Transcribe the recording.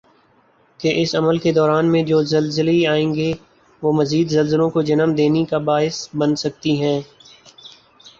کہ اس عمل کی دوران میں جو زلزلی آئیں گی وہ مزید زلزلوں کو جنم دینی کا باعث بن سکتی ہیں